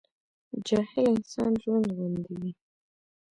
جاهل انسان رونډ غوندي وي